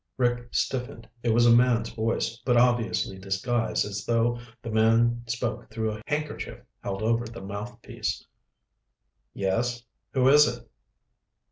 Rick stiffened. It was a man's voice, but obviously disguised as though the man spoke through a handkerchief held over the mouthpiece. "Yes. Who is it?"